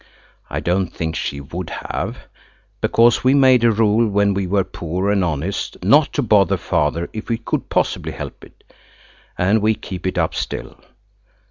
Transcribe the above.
I don't think she would have, because we made a rule, when we were poor and honest, not to bother Father if we could possibly help it. And we keep it up still.